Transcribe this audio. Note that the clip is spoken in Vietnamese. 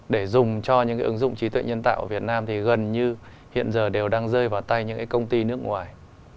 để dùng cho những ứng dụng trí tuệ nhân tạo ở việt nam thì gần như hiện giờ đều đang rơi vào tay những công ty nước ngoài